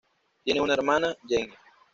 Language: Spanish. Tiene una hermana, Jenny.